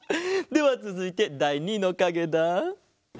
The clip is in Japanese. ではつづいてだい２のかげだ。